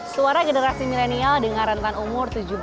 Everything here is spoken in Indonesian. suara generasi milenial dengan rentan umur